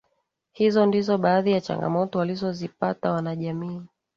hizo ndizo baadhi ya changamoto walizozipata wanajamii